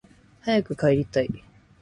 早く帰りたい